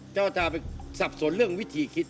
เจ้าตาไปสับสนเรื่องวิธีคิด